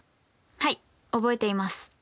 はい覚えています。